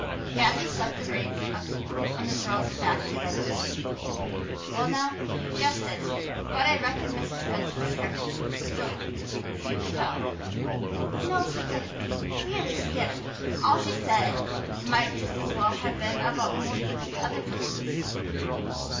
Matthew slapped the reins on the sorrel's back delightedly. "Well now, you've guessed it! But I reckon Mrs. Spencer described it so's you could tell." "No, she didn't really she didn't. All she said might just as well have been about most of those other places.